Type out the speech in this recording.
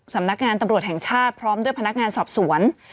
สำนักงานตำรวจแห่งชาติพร้อมด้วยพนักงานสอบสวน